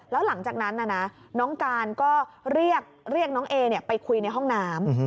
แล้วหลังจากนั้นน้องการก็เรียกน้องเอไปคุยในห้องน้ำ